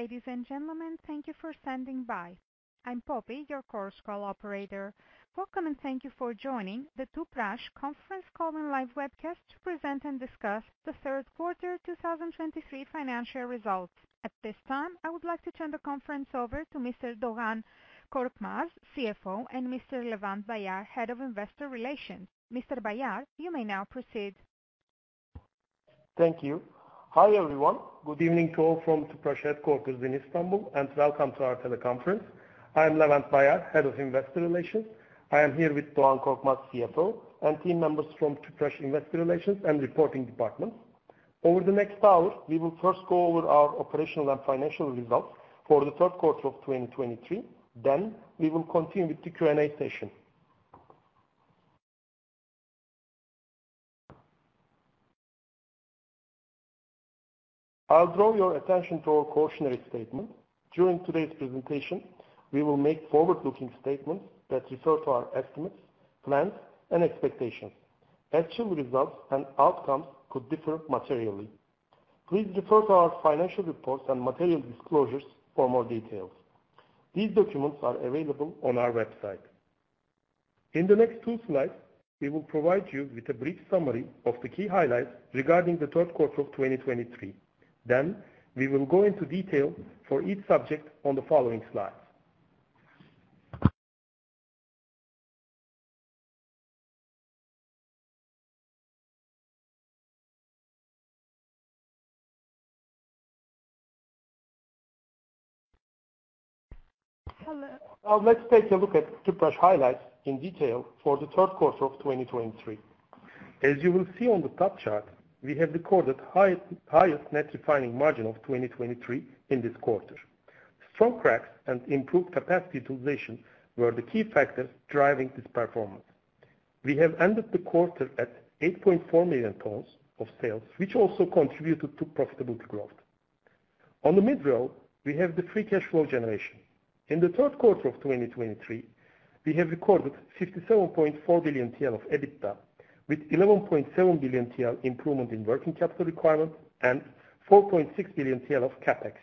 Ladies and gentlemen, thank you for standing by. I'm Poppy, your conference call operator. Welcome, and thank you for joining the Tüpraş Conference Call and Live Webcast to present and discuss the Q3 2023 financial results. At this time, I would like to turn the conference over to Mr. Doğan Korkmaz, CFO, and Mr. Levent Bayar, Head of Investor Relations. Mr. Bayar, you may now proceed. Thank you. Hi everyone. Good evening to all from Tüpraş Headquarters in Istanbul, and welcome to our teleconference. I'm Levent Bayar, Head of Investor Relations. I am here with Doğan Korkmaz, CFO, and team members from Tüpraş Investor Relations and Reporting Department. Over the next hour, we will first go over our operational and financial results for the Q3 of 2023, then we will continue with the Q&A session. I'll draw your attention to our cautionary statement. During today's presentation, we will make forward-looking statements that refer to our estimates, plans, and expectations. Actual results and outcomes could differ materially. Please refer to our financial reports and material disclosures for more details. These documents are available on our website. In the next two slides, we will provide you with a brief summary of the key highlights regarding the Q3 of 2023, then we will go into detail for each subject on the following slides. Now let's take a look at Tüpraş highlights in detail for the Q3 of 2023. As you will see on the top chart, we have recorded highest net refining margin of 2023 in this quarter. Strong cracks and improved capacity utilization were the key factors driving this performance. We have ended the quarter at 8.4 million tons of sales, which also contributed to profitability growth. On the mid row, we have the free cash flow generation. In the Q3 of 2023, we have recorded 57.4 billion TL of EBITDA, with 11.7 billion TL improvement in working capital requirement and 4.6 billion TL of CAPEX.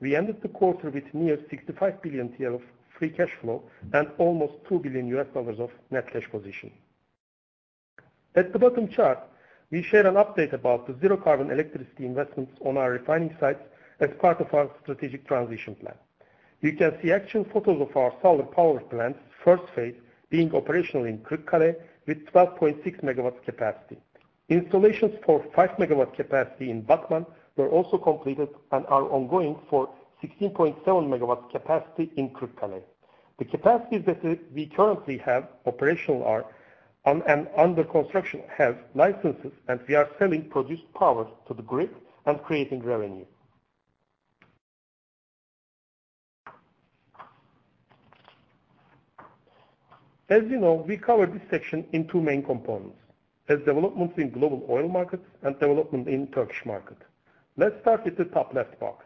We ended the quarter with near 65 billion TL of free cash flow and almost $2 billion of net cash position. At the bottom chart, we share an update about the zero-carbon electricity investments on our refining sites as part of our strategic transition plan. You can see actual photos of our solar power plants' first phase being operational in Kırıkkale, with 12.6 MW capacity. Installations for 5 MW capacity in Batman were also completed and are ongoing for 16.7 MW capacity in Kırıkkale. The capacities that we currently have operational and under construction have licenses, and we are selling produced power to the grid and creating revenue. As you know, we cover this section in two main components: developments in global oil markets and development in the Turkish market. Let's start with the top left box.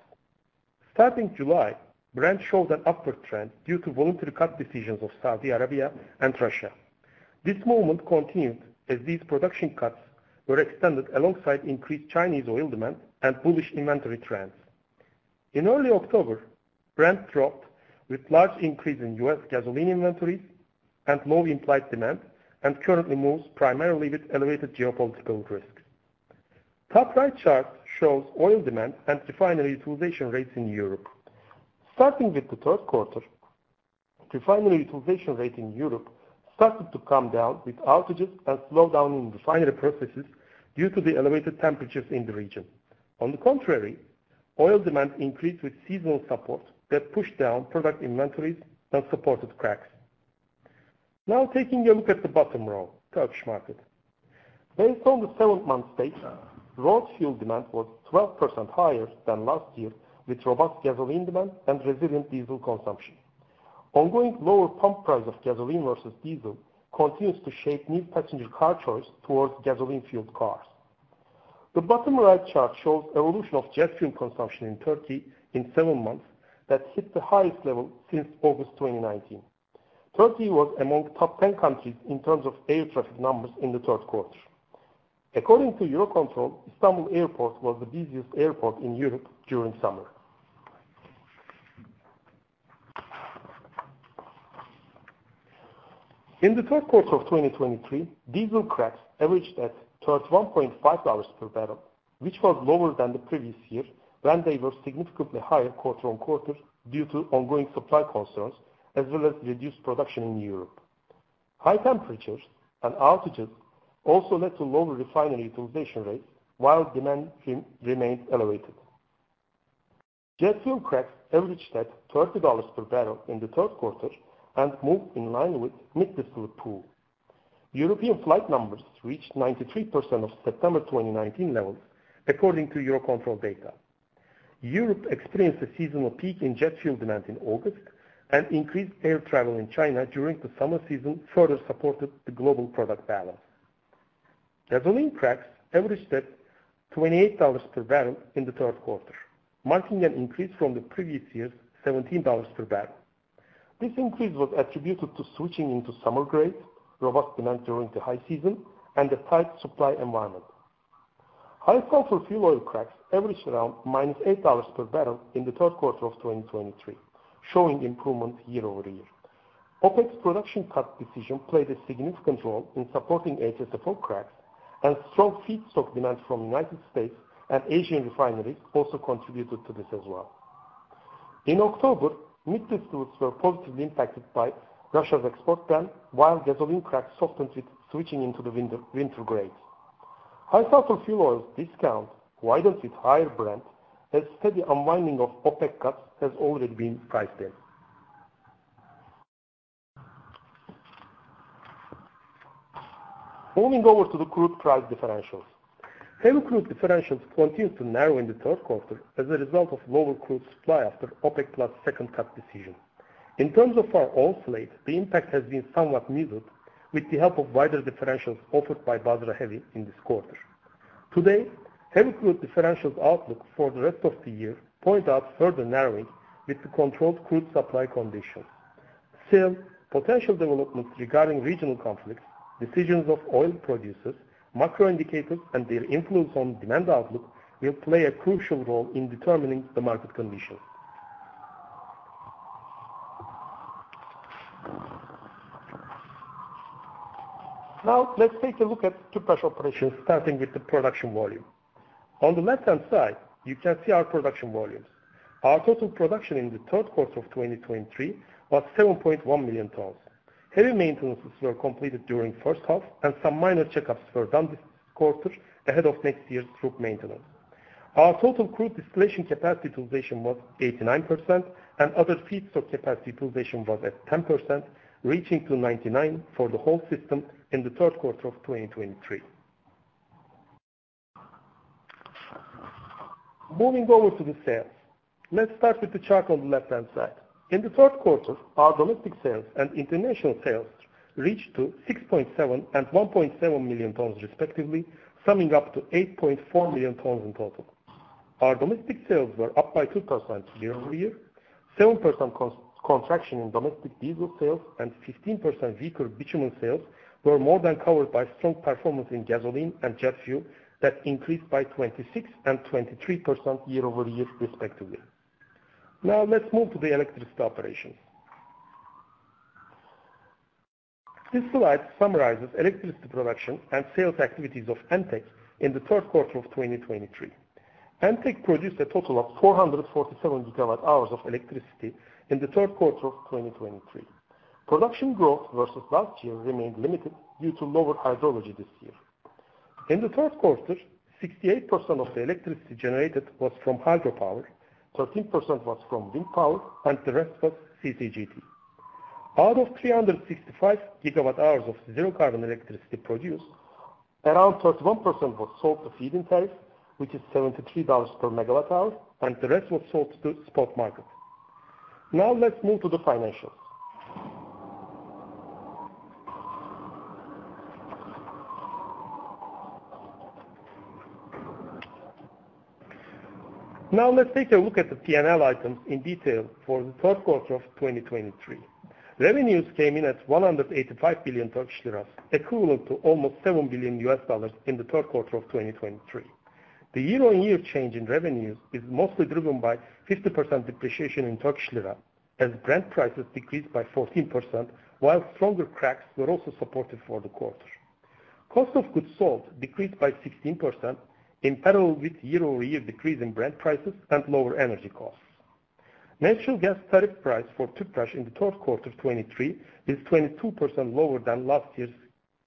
Starting July, Brent showed an upward trend due to voluntary cut decisions of Saudi Arabia and Russia. This movement continued as these production cuts were extended alongside increased Chinese oil demand and bullish inventory trends. In early October, Brent dropped with a large increase in U.S. gasoline inventories and low implied demand, and currently moves primarily with elevated geopolitical risks. Top right chart shows oil demand and refinery utilization rates in Europe. Starting with the Q3, refinery utilization rate in Europe started to come down with outages and slowdown in refinery processes due to the elevated temperatures in the region. On the contrary, oil demand increased with seasonal support that pushed down product inventories and supported cracks. Now taking a look at the bottom row, Turkish market. Based on the seventh month state, raw fuel demand was 12% higher than last year with robust gasoline demand and resilient diesel consumption. Ongoing lower pump price of gasoline versus diesel continues to shape new passenger car choice towards gasoline-fueled cars. The bottom right chart shows evolution of jet fuel consumption in Turkey in 7 months that hit the highest level since August 2019. Turkey was among the top 10 countries in terms of air traffic numbers in the Q3. According to Eurocontrol, Istanbul Airport was the busiest airport in Europe during summer. In the Q3 of 2023, diesel cracks averaged at $31.5 per barrel, which was lower than the previous year when they were significantly higher quarter-on-quarter due to ongoing supply concerns as well as reduced production in Europe. High temperatures and outages also led to lower refinery utilization rates while demand remained elevated. Jet fuel cracks averaged at $30 per barrel in the Q3 and moved in line with mid-distillate pool. European flight numbers reached 93% of September 2019 levels, according to Eurocontrol data. Europe experienced a seasonal peak in jet fuel demand in August, and increased air travel in China during the summer season further supported the global product balance. Gasoline cracks averaged at $28 per barrel in the Q3, marking an increase from the previous year's $17 per barrel. This increase was attributed to switching into summer grades, robust demand during the high season, and a tight supply environment. High sulfur fuel oil cracks averaged around -$8 per barrel in the Q3 of 2023, showing improvement year-over-year. OPEC's production cut decision played a significant role in supporting HSFO cracks, and strong feedstock demand from the United States and Asian refineries also contributed to this as well. In October, mid-distillates were positively impacted by Russia's export ban while gasoline cracks softened with switching into the winter grades. High sulfur fuel oil discount widened with higher Brent, as steady unwinding of OPEC cuts has already been priced in. Moving over to the crude price differentials. Heavy crude differentials continue to narrow in the Q3 as a result of lower crude supply after OPEC+ second cut decision. In terms of our oil slate, the impact has been somewhat muted with the help of wider differentials offered by Basra Heavy in this quarter. Today, heavy crude differentials' outlook for the rest of the year points out further narrowing with the controlled crude supply conditions. Still, potential developments regarding regional conflicts, decisions of oil producers, macro indicators, and their influence on demand outlook will play a crucial role in determining the market conditions. Now let's take a look at Tüpraş operations, starting with the production volume. On the left-hand side, you can see our production volumes. Our total production in the Q3 of 2023 was 7.1 million tons. Heavy maintenances were completed during the first half, and some minor checkups were done this quarter ahead of next year's roof maintenance. Our total crude distillation capacity utilization was 89%, and other feedstock capacity utilization was at 10%, reaching to 99% for the whole system in the Q3 of 2023. Moving over to the sales. Let's start with the chart on the left-hand side. In the Q3, our domestic sales and international sales reached 6.7 and 1.7 million tons, respectively, summing up to 8.4 million tons in total. Our domestic sales were up by 2% year-over-year. 7% contraction in domestic diesel sales and 15% weaker bitumen sales were more than covered by strong performance in gasoline and jet fuel that increased by 26% and 23% year-over-year, respectively. Now let's move to the electricity operations. This slide summarizes electricity production and sales activities of Entek in the Q3 of 2023. Entek produced a total of 447 GWh of electricity in the Q3 of 2023. Production growth versus last year remained limited due to lower hydrology this year. In the Q3, 68% of the electricity generated was from hydropower, 13% was from wind power, and the rest was CCGT. Out of 365 GWh of zero-carbon electricity produced, around 31% was sold to feed-in tariffs, which is $73 per MWh, and the rest was sold to the spot market. Now let's move to the financials. Now let's take a look at the P&L items in detail for the Q3 of 2023. Revenues came in at 185 billion Turkish lira, equivalent to almost $7 billion in the Q3 of 2023. The year-on-year change in revenues is mostly driven by 50% depreciation in Turkish lira, as Brent prices decreased by 14% while stronger cracks were also supportive for the quarter. Cost of goods sold decreased by 16%, in parallel with year-over-year decrease in Brent prices and lower energy costs. Natural gas tariff price for Tüpraş in the Q3 of 2023 is 22% lower than last year's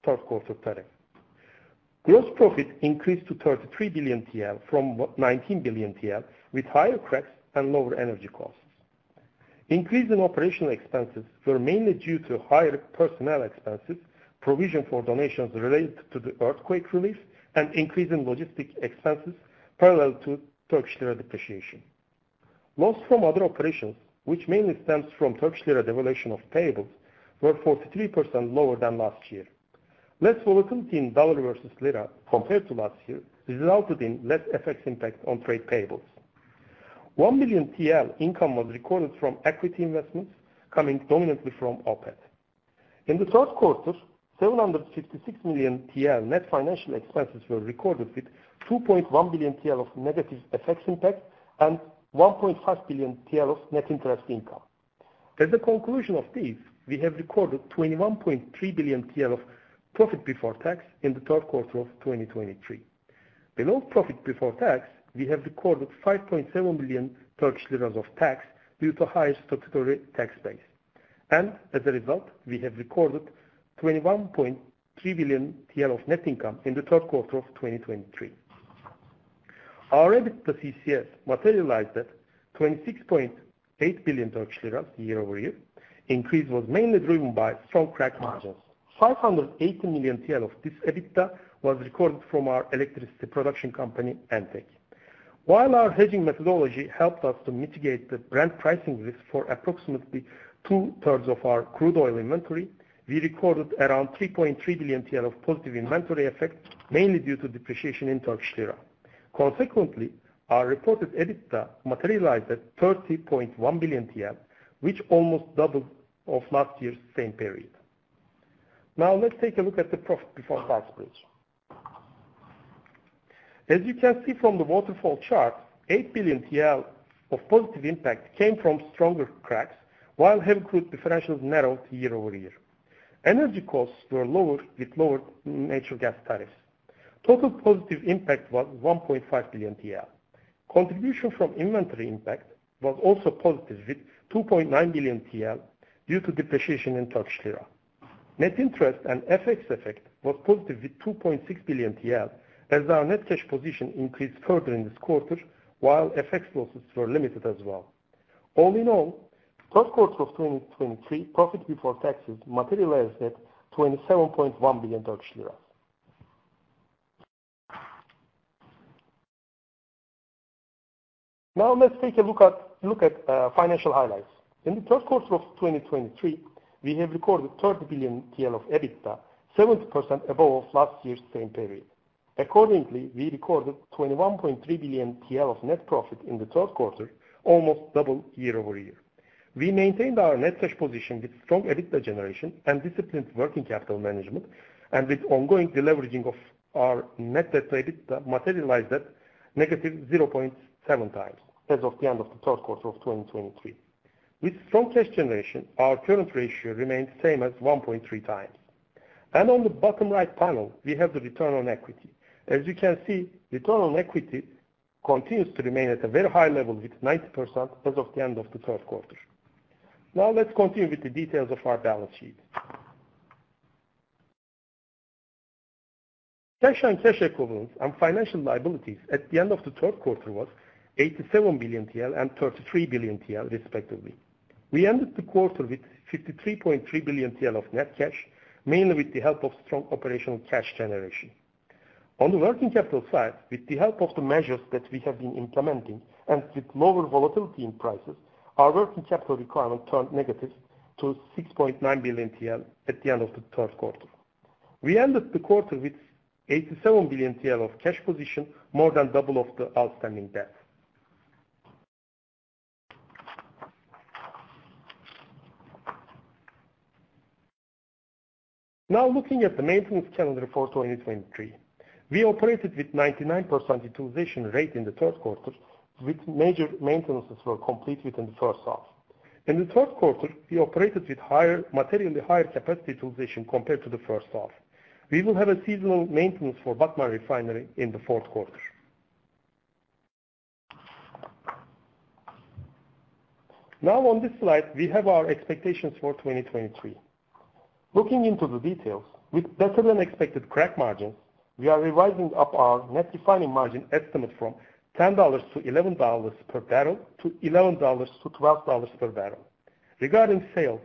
Q3 tariff. Gross profit increased to 33 billion TL from 19 billion TL with higher cracks and lower energy costs. Increase in operational expenses was mainly due to higher personnel expenses, provision for donations related to the earthquake relief, and increase in logistic expenses parallel to Turkish lira depreciation. Loss from other operations, which mainly stems from Turkish lira devaluation of payables, was 43% lower than last year. Less volatility in dollar versus lira compared to last year resulted in less FX impact on trade payables. 1 million TL income was recorded from equity investments, coming dominantly from OPEC. In the Q3, 756 million TL net financial expenses were recorded with 2.1 billion TL of negative FX impact and 1.5 billion TL of net interest income. As a conclusion of these, we have recorded 21.3 billion TL of profit before tax in the Q3 of 2023. Below profit before tax, we have recorded 5.7 million Turkish lira of tax due to higher statutory tax base. As a result, we have recorded 21.3 billion TL of net income in the Q3 of 2023. Our EBITDA CCS materialized at 26.8 billion Turkish lira year-over-year. Increase was mainly driven by strong crack margins. 580 million TL of this EBITDA was recorded from our electricity production company, Entek. While our hedging methodology helped us to mitigate the Brent pricing risk for approximately two-thirds of our crude oil inventory, we recorded around 3.3 billion TL of positive inventory effect, mainly due to depreciation in Turkish lira. Consequently, our reported EBITDA materialized at 30.1 billion TL, which almost doubled of last year's same period. Now let's take a look at the profit before tax breaks. As you can see from the waterfall chart, 8 billion TL of positive impact came from stronger cracks while heavy crude differentials narrowed year-over-year. Energy costs were lower with lower natural gas tariffs. Total positive impact was 1.5 billion TL. Contribution from inventory impact was also positive with 2.9 billion TL due to depreciation in Turkish lira. Net interest and FX effect were positive with 2.6 billion TL as our net cash position increased further in this quarter while FX losses were limited as well. All in all, Q3 of 2023 profit before taxes materialized at TRY 27.1 billion. Now let's take a look at financial highlights. In the Q3 of 2023, we have recorded 30 billion TL of EBITDA, 70% above last year's same period. Accordingly, we recorded 21.3 billion TL of net profit in the Q3, almost double year-over-year. We maintained our net cash position with strong EBITDA generation and disciplined working capital management, and with ongoing deleveraging of our net debt to EBITDA materialized at negative 0.7 times as of the end of the Q3 of 2023. With strong cash generation, our current ratio remained the same as 1.3 times. On the bottom right panel, we have the return on equity. As you can see, return on equity continues to remain at a very high level with 90% as of the end of the Q3. Now let's continue with the details of our balance sheet. Cash and cash equivalents and financial liabilities at the end of the Q3 were 87 billion TL and 33 billion TL, respectively. We ended the quarter with 53.3 billion TL of net cash, mainly with the help of strong operational cash generation. On the working capital side, with the help of the measures that we have been implementing and with lower volatility in prices, our working capital requirement turned negative to 6.9 billion TL at the end of the Q3. We ended the quarter with 87 billion TL of cash position, more than double of the outstanding debt. Now looking at the maintenance calendar for 2023. We operated with 99% utilization rate in the Q3, with major maintenances complete within the first half. In the Q3, we operated with higher materially higher capacity utilization compared to the first half. We will have a seasonal maintenance for Batman Refinery in the Q4. Now on this slide, we have our expectations for 2023. Looking into the details, with better than expected crack margins, we are revising up our net refining margin estimate from $10-$11 per barrel to $11-$12 per barrel. Regarding sales,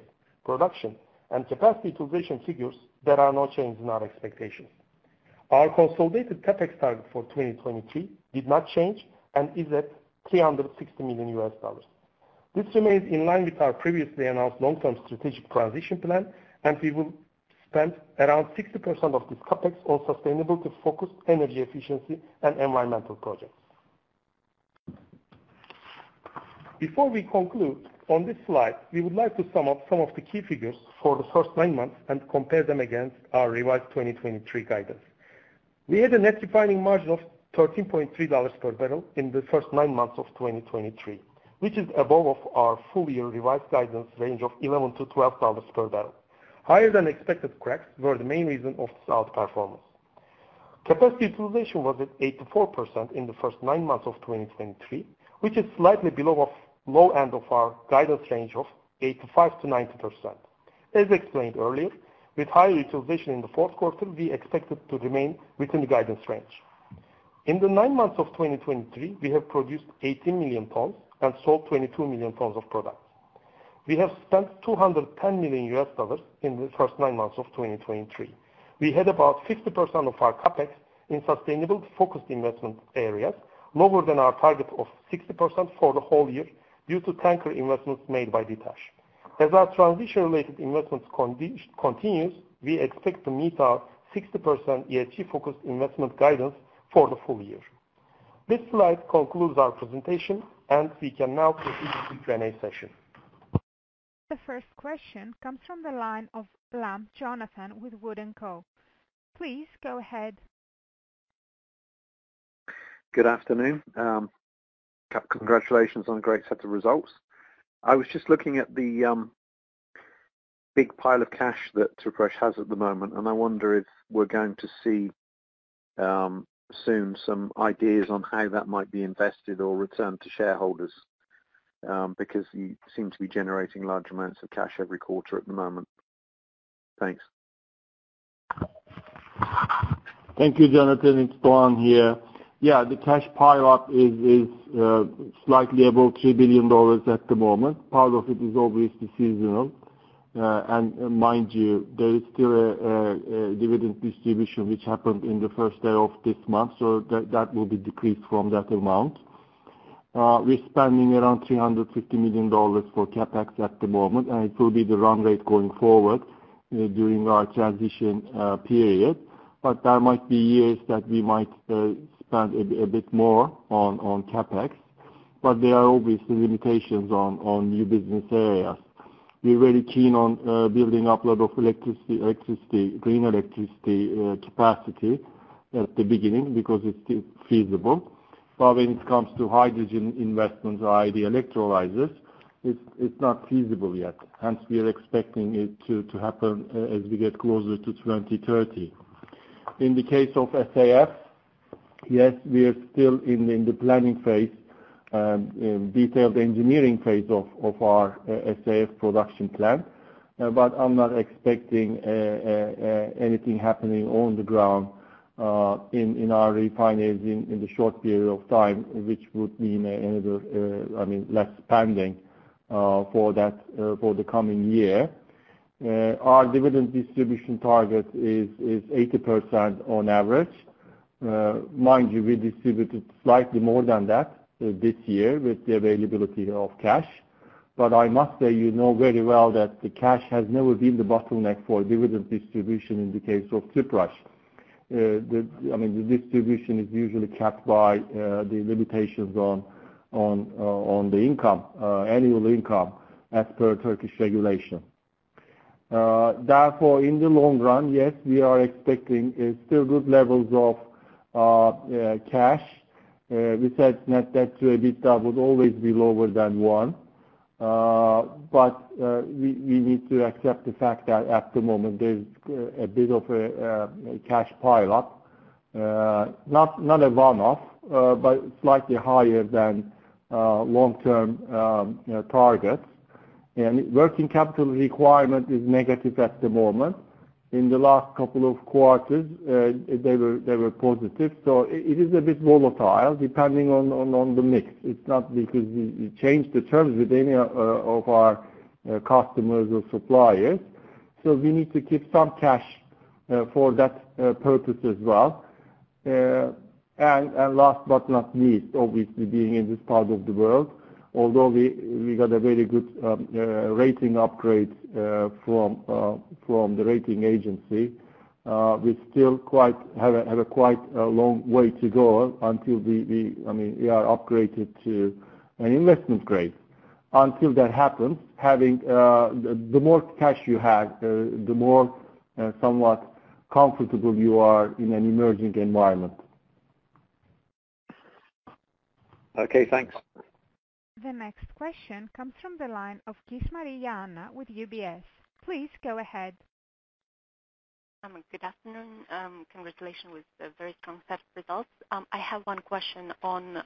production, and capacity utilization figures, there are no changes in our expectations. Our consolidated CAPEX target for 2023 did not change and is at $360 million. This remains in line with our previously announced long-term strategic transition plan, and we will spend around 60% of this CAPEX on sustainability-focused energy efficiency and environmental projects. Before we conclude, on this slide, we would like to sum up some of the key figures for the first nine months and compare them against our revised 2023 guidance. We had a net refining margin of $13.3 per barrel in the first nine months of 2023, which is above our full-year revised guidance range of $11-$12 per barrel. Higher than expected cracks were the main reason for the outperformance. Capacity utilization was at 84% in the first nine months of 2023, which is slightly below the low end of our guidance range of 85%-90%. As explained earlier, with higher utilization in the Q4, we expected to remain within the guidance range. In the nine months of 2023, we have produced 18 million tons and sold 22 million tons of products. We have spent $210 million in the first nine months of 2023. We had about 50% of our CAPEX in sustainability-focused investment areas, lower than our target of 60% for the whole year due to tanker investments made by Ditaş. As our transition-related investments continue, we expect to meet our 60% ESG-focused investment guidance for the full year. This slide concludes our presentation, and we can now proceed to the Q&A session. The first question comes from the line of Jonathan Lamb with Wood & Company. Please go ahead. Good afternoon. Congratulations on a great set of results. I was just looking at the big pile of cash that Tüpraş has at the moment, and I wonder if we're going to see soon some ideas on how that might be invested or returned to shareholders because you seem to be generating large amounts of cash every quarter at the moment. Thanks. Thank you, Jonathan. It's Doğan here. Yeah, the cash pileup is slightly above $3 billion at the moment. Part of it is obviously seasonal. And mind you, there is still a dividend distribution which happened in the first day of this month, so that will be decreased from that amount. We're spending around $350 million for CapEx at the moment, and it will be the run rate going forward during our transition period. But there might be years that we might spend a bit more on CapEx, but there are obviously limitations on new business areas. We're very keen on building up a lot of electricity, green electricity capacity at the beginning because it's feasible. But when it comes to hydrogen investments or H2 electrolysis, it's not feasible yet. Hence, we are expecting it to happen as we get closer to 2030. In the case of SAF, yes, we are still in the planning phase, detailed engineering phase of our SAF production plan, but I'm not expecting anything happening on the ground in our refineries in the short period of time, which would mean another, I mean, less spending for the coming year. Our dividend distribution target is 80% on average. Mind you, we distributed slightly more than that this year with the availability of cash. But I must say you know very well that the cash has never been the bottleneck for dividend distribution in the case of Tüpraş. I mean, the distribution is usually capped by the limitations on the income, annual income, as per Turkish regulation. Therefore, in the long run, yes, we are expecting still good levels of cash. We said that EBITDA would always be lower than one, but we need to accept the fact that at the moment, there's a bit of a cash pileup. Not a one-off, but slightly higher than long-term targets. And working capital requirement is negative at the moment. In the last couple of quarters, they were positive. So it is a bit volatile depending on the mix. It's not because we changed the terms with any of our customers or suppliers. So we need to keep some cash for that purpose as well. And last but not least, obviously, being in this part of the world, although we got a very good rating upgrade from the rating agency, we still have a quite long way to go until we, I mean, we are upgraded to an investment grade. Until that happens, having the more cash you have, the more somewhat comfortable you are in an emerging environment. Okay. Thanks. The next question comes from the line of Uncertain with UBS. Please go ahead. Good afternoon. Congratulations with very strong set of results. I have one question on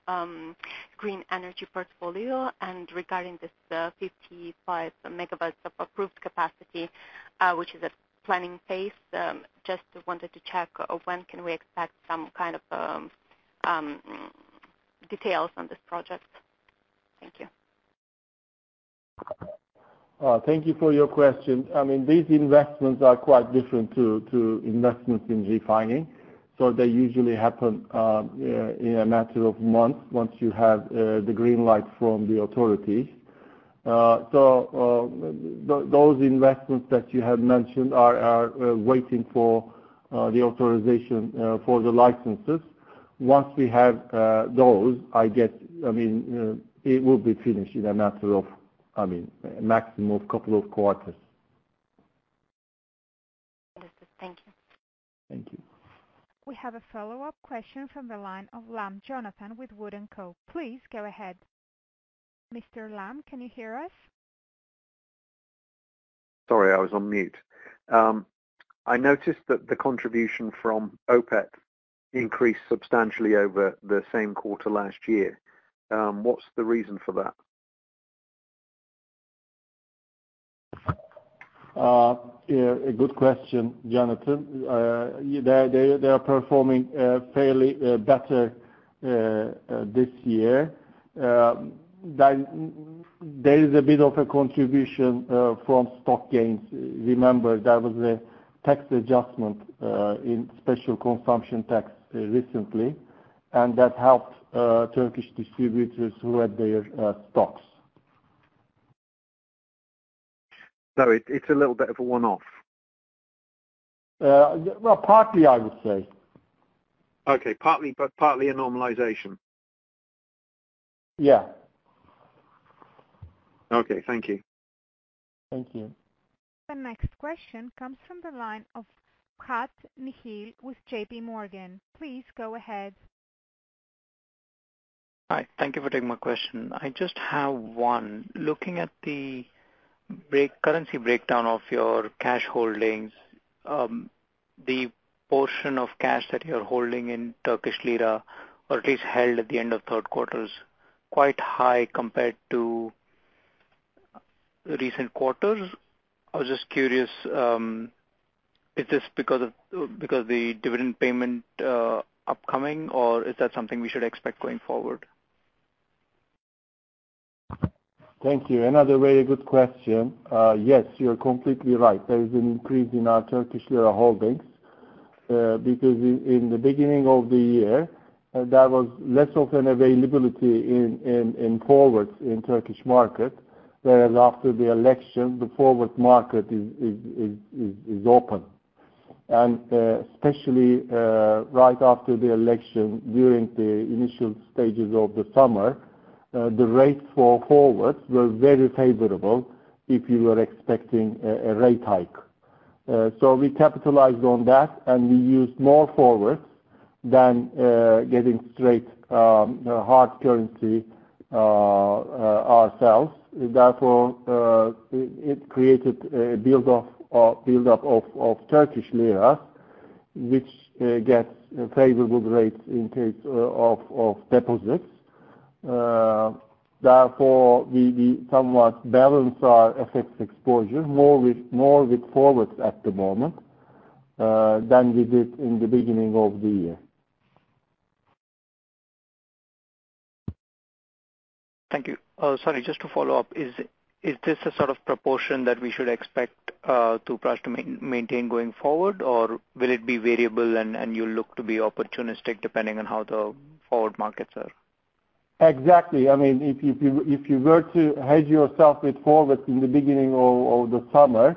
green energy portfolio and regarding this 55 MW of approved capacity, which is at planning phase. Just wanted to check when can we expect some kind of details on this project. Thank you. Thank you for your question. I mean, these investments are quite different to investments in refining, so they usually happen in a matter of months once you have the green light from the authorities. So those investments that you have mentioned are waiting for the authorization for the licenses. Once we have those, I guess, I mean, it will be finished in a matter of, I mean, maximum of a couple of quarters. Understood. Thank you. Thank you. .We have a follow-up question from the line of Jonathan Lamb with Wood & Company. Please go ahead. Mr. Lamb, can you hear us? Sorry. I was on mute. I noticed that the contribution from OPEC increased substantially over the same quarter last year. What's the reason for that? A good question, Jonathan. They are performing fairly better this year. There is a bit of a contribution from stock gains. Remember, there was a tax adjustment in special consumption tax recently, and that helped Turkish distributors who had their stocks. So it's a little bit of a one-off? Well, partly, I would say. Okay. Partly a normalization? Yeah. Okay. Thank you. Thank you. The next question comes from the line of Nikhil Gupta with JP Morgan. Please go ahead. Hi. Thank you for taking my question. I just have one. Looking at the currency breakdown of your cash holdings, the portion of cash that you're holding in Turkish lira, or at least held at the end of Q3s, quite high compared to recent quarters. I was just curious, is this because of the dividend payment upcoming, or is that something we should expect going forward? Thank you. Another very good question. Yes, you're completely right. There is an increase in our Turkish lira holdings because in the beginning of the year, there was less of an availability in forwards in Turkish market, whereas after the election, the forward market is open. And especially right after the election, during the initial stages of the summer, the rates for forwards were very favorable if you were expecting a rate hike. So we capitalized on that, and we used more forwards than getting straight hard currency ourselves. Therefore, it created a buildup of Turkish liras, which gets favorable rates in case of deposits. Therefore, we somewhat balance our FX exposure more with forwards at the moment than we did in the beginning of the year. Thank you. Sorry, just to follow up, is this a sort of proportion that we should expect Tüpraş to maintain going forward, or will it be variable and you'll look to be opportunistic depending on how the forward markets are? Exactly. I mean, if you were to hedge yourself with forwards in the beginning of the summer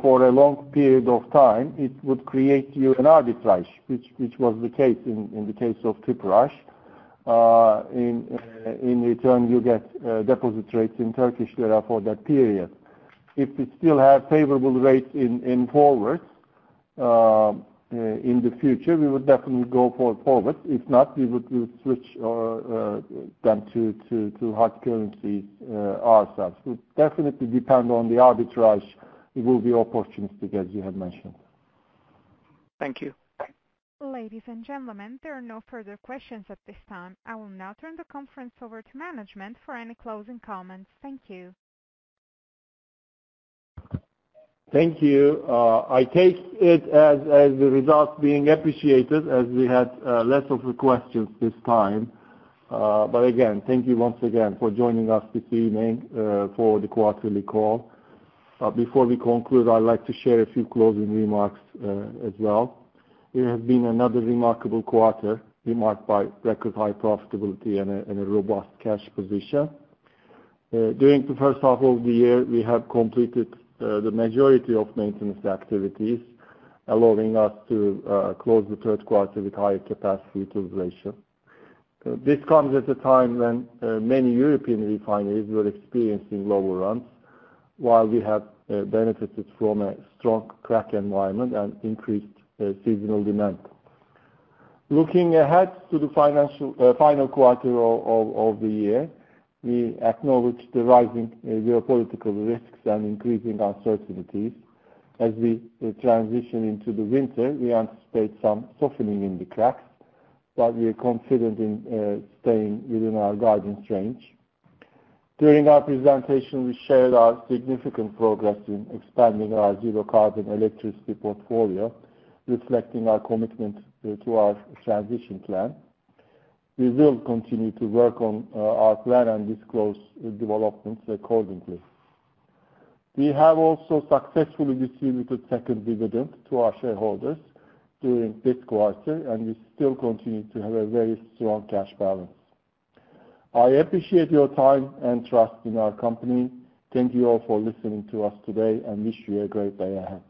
for a long period of time, it would create you an arbitrage, which was the case in the case of Tüpraş. In return, you get deposit rates in Turkish lira for that period. If we still have favorable rates in forwards in the future, we would definitely go for forwards. If not, we would switch them to hard currencies ourselves. It would definitely depend on the arbitrage. It will be opportunistic, as you have mentioned. Thank you. Ladies and gentlemen, there are no further questions at this time. I will now turn the conference over to management for any closing comments. Thank you. Thank you. I take it as the results being appreciated, as we had less of a question this time. But again, thank you once again for joining us this evening for the quarterly call. Before we conclude, I'd like to share a few closing remarks as well. It has been another remarkable quarter marked by record high profitability and a robust cash position. During the first half of the year, we have completed the majority of maintenance activities, allowing us to close the Q3 with higher capacity utilization. This comes at a time when many European refineries were experiencing lower runs, while we have benefited from a strong crack environment and increased seasonal demand. Looking ahead to the final quarter of the year, we acknowledge the rising geopolitical risks and increasing uncertainties. As we transition into the winter, we anticipate some softening in the cracks, but we are confident in staying within our guidance range. During our presentation, we shared our significant progress in expanding our zero-carbon electricity portfolio, reflecting our commitment to our transition plan. We will continue to work on our plan and disclose developments accordingly. We have also successfully distributed second dividend to our shareholders during this quarter, and we still continue to have a very strong cash balance. I appreciate your time and trust in our company. Thank you all for listening to us today, and wish you a great day ahead.